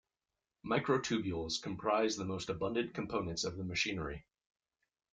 Microtubules comprise the most abundant components of the machinery.